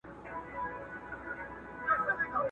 o دښمن که دي د لوخو پړى وي، هم ئې مار بوله!